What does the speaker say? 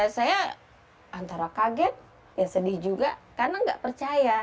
saya antara kaget ya sedih juga karena nggak percaya